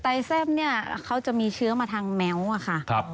ไต้แซ่มเขาจะมีเชื้อมาทางแม้วค่ะ